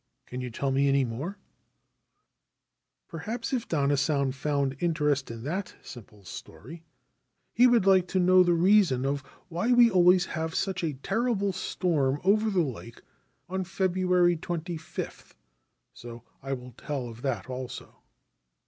Can you tell me any more ?'' Perhaps, if Danna San found interest in that simple story, he would like to know the reason of why we always have such a terrible storm over the lake on February 25 : so I will tell of that also.'